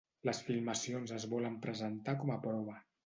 Les filmacions es volen presentar com a prova